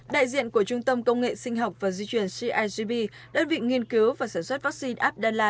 đại diện của trung tâm công nghệ sinh học và di chuyển cigp đơn vị nghiên cứu và sản xuất vaccine adala